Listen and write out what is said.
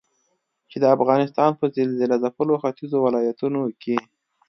چې د افغانستان په زلزلهځپلو ختيځو ولايتونو کې